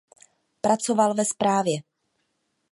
Pracoval ve správě.